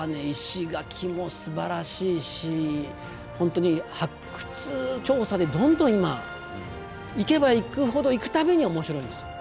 石垣もすばらしいし本当に発掘調査でどんどん今行けば行くほど行く度に面白いんです。